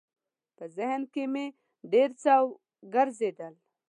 په ذهن کې مې ډېر څه ګرځېدل.